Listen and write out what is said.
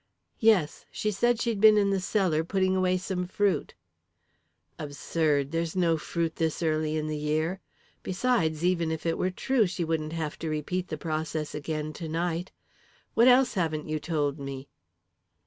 "Yes she said she'd been in the cellar, putting away some fruit." "Absurd! There's no fruit this early in the year. Besides, even if it were true, she wouldn't have to repeat the process again to night. What else haven't you told me?"